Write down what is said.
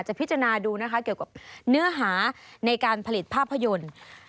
พิจารณาดูนะคะเกี่ยวกับเนื้อหาในการผลิตภาพยนตร์